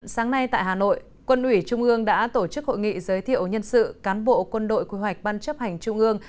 sáng nay tại hà nội quân ủy trung ương đã tổ chức hội nghị giới thiệu nhân sự cán bộ quân đội quy hoạch ban chấp hành trung ương